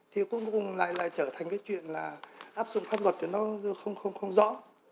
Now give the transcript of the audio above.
thì cuối cùng lại trở thành cái chuyện là áp dụng pháp luật của nó không rõ